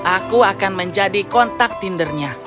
aku akan menjadi kontak tindernya